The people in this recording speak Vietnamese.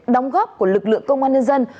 đóng góp của lực lượng công an nhân dân